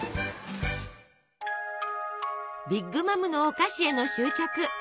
ビッグ・マムのお菓子への執着。